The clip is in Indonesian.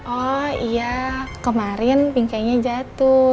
oh iya kemarin pinkainya jatuh